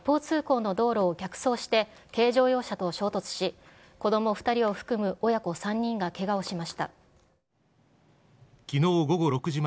名古屋市できのう、パトカーが一方通行の道路を逆走して軽乗用車と衝突し、子ども２人を含む親子３人がけがをしました。